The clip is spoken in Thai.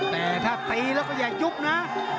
แต่ถ้าตีแล้วก็อย่ายุบนะ